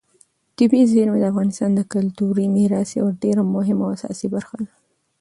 طبیعي زیرمې د افغانستان د کلتوري میراث یوه ډېره مهمه او اساسي برخه ده.